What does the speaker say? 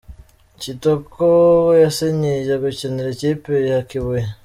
kitoko yasinyiye gukinira Ikipe ya kibuye